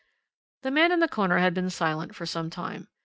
The man in the corner had been silent for some time.